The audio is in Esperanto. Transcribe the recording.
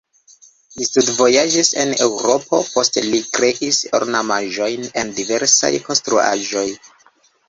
Li studvojaĝis en Eŭropo, poste li kreis ornamaĵojn en diversaj konstruaĵoj.